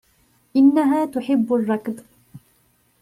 إنها تحب الركض.